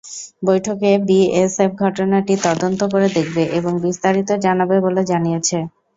বৈঠকে বিএসএফ ঘটনাটি তদন্ত করে দেখবে এবং বিস্তারিত জানাবে বলে জানিয়েছে।